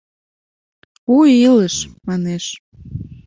У илыш!» Манеш.